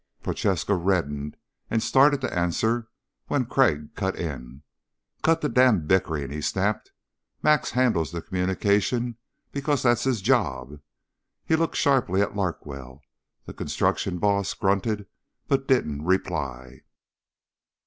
Prochaska reddened and started to answer when Crag cut in: "Cut the damned bickering," he snapped. "Max handles the communication because that's his job." He looked sharply at Larkwell. The construction boss grunted but didn't reply.